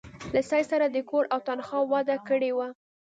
له سید سره د کور او تنخوا وعده کړې وه.